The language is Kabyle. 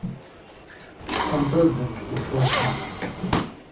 Ckunṭḍent deg ufurk-nni.